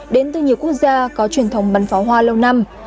đến từ nhiều quốc gia có truyền thống bắn pháo hoa lâu năm